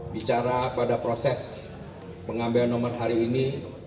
bicara pada proses pengambilan nomor hari ini